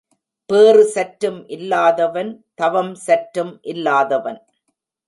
பேறு சற்றும் இல்லாதவன் தவம் சற்றும் இல்லாதவன்.